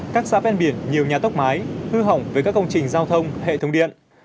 các xã ven biển nhiều nhà tốc mái hư hỏng với các công trình giao thông hệ thống điện